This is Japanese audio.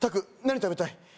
何食べたい？